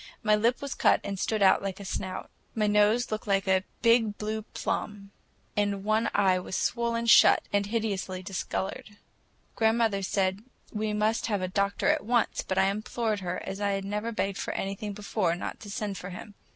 My lip was cut and stood out like a snout. My nose looked like a big blue plum, and one eye was swollen shut and hideously discolored. Grandmother said we must have the doctor at once, but I implored her, as I had never begged for anything before, not to send for him.